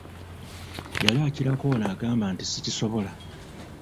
Yali akirako ono agamba nti sikisobola.